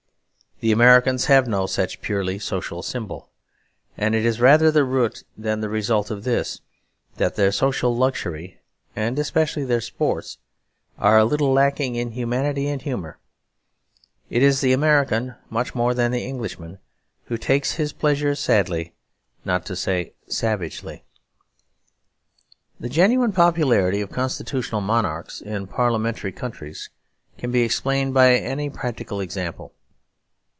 The Americans have no such purely social symbol; and it is rather the root than the result of this that their social luxury, and especially their sport, are a little lacking in humanity and humour. It is the American, much more than the Englishman, who takes his pleasures sadly, not to say savagely. The genuine popularity of constitutional monarchs, in parliamentary countries, can be explained by any practical example.